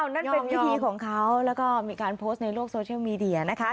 นั่นเป็นวิธีของเขาแล้วก็มีการโพสต์ในโลกโซเชียลมีเดียนะคะ